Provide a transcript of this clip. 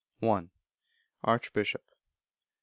Archbishop.